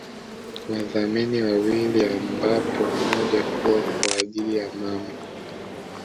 Wadhamini wawili ambapo mmoja huwa kwa ajili ya mama